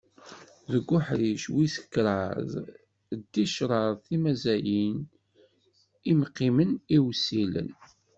Deg uḥric wis kraḍ d ticraḍ timazzayin: imqimen iwsilen.